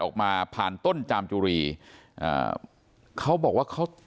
ออกมาผ่านต้นจามจุรีอ่าเขาบอกว่าเขา